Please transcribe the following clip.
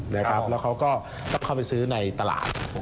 แล้วเขาก็ต้องเข้าไปซื้อในตลาด